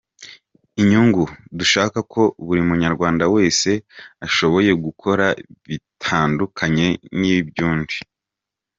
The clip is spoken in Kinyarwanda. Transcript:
Inyungu dushaka ko buri munyarwanda wese ashoboye gukora bitandukanye n’iby’undi.